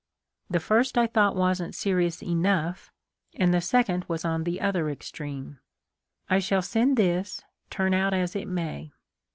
The first I thought wasn't serious enough, and the second was on the other extreme. I shall send this, turn out as it may.